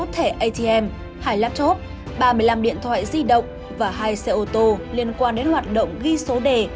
hai mươi thẻ atm hai laptop ba mươi năm điện thoại di động và hai xe ô tô liên quan đến hoạt động ghi số đề